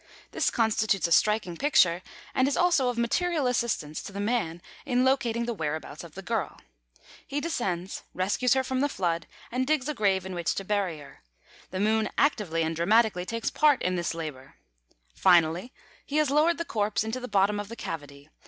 This constitutes a striking picture; and is also of material assistance to the man in locating the whereabouts of the girl. He descends, rescues her from the flood, and digs a grave in which to bury her. The Moon actively and dramatically takes part in this labour. Finally, he has lowered the corpse into the bottom of the cavity.